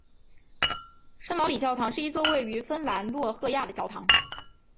圣劳里教堂是一座位于芬兰洛赫亚的教堂。